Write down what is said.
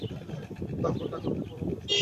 তারপর ঠাকুরকে প্রণাম করে সবাই পৈতে পরবে।